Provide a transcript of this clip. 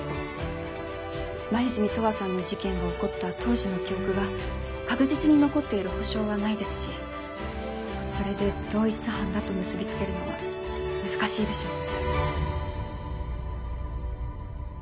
黛十和さんの事件が起こった当時の記憶が確実に残っている保証はないですしそれで同一犯だと結びつけるのは難しいでしょう。